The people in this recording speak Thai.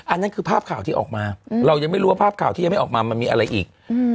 อันนั้นคือภาพข่าวที่ออกมาเรายังไม่รู้ว่าภาพข่าวที่ยังไม่ออกมามันมีอะไรอีก